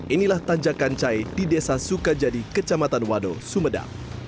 inilah tanjakancai di desa sukajadi kecamatan wado sumedang